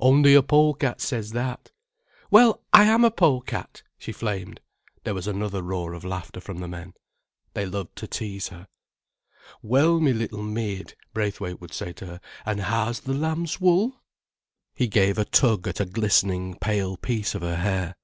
"Only a pole cat says that." "Well, I am a pole cat," she flamed. There was another roar of laughter from the men. They loved to tease her. "Well, me little maid," Braithwaite would say to her, "an' how's th' lamb's wool?" He gave a tug at a glistening, pale piece of her hair.